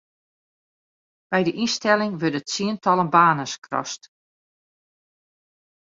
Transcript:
By de ynstelling wurde tsientallen banen skrast.